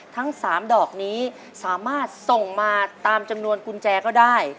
ทั้ง๓ดอกนี้สามารถส่งมาตามจำนวนกุญแจก็ได้